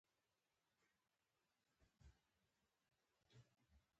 جانداد د ښو ارادو ملاتړ دی.